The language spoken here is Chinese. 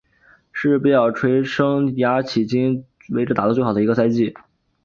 是贝尔垂生涯迄今为止打得最好的一个赛季。